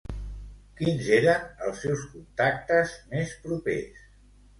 Quins eren els seus contactes més propers?